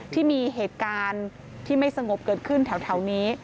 ที่มีเหตุการณ์ที่ไม่สงบเกิดขึ้นแถวนี้